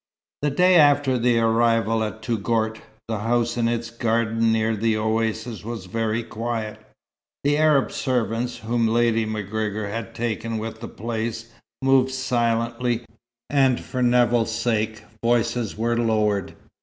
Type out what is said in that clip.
The day after the arrival at Touggourt, the house in its garden near the oasis was very quiet. The Arab servants, whom Lady MacGregor had taken with the place, moved silently, and for Nevill's sake voices were lowered.